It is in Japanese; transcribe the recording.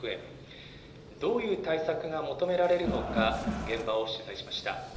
どういう対策が求められるのか、現場を取材しました。